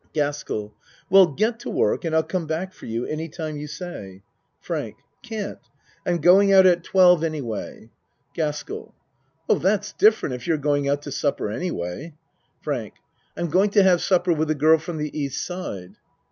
GASKELL Well get to work and I'll come back for you any time you say. FRANK Can't. I'm going out at twelve any 44 A MAN'S WORLD way. GASKELL Oh, that's different if you're going out to supper anyway. FRANK I'm going to have supper with a girl from the East side.